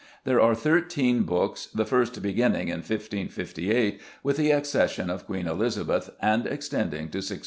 There are thirteen books, the first beginning in 1558, with the accession of Queen Elizabeth, and extending to 1650.